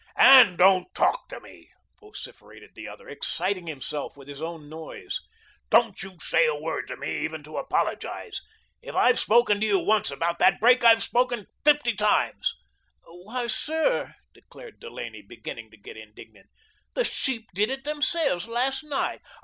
"And don't TALK to me," vociferated the other, exciting himself with his own noise. "Don't you say a word to me even to apologise. If I've spoken to you once about that break, I've spoken fifty times." "Why, sir," declared Delaney, beginning to get indignant, "the sheep did it themselves last night."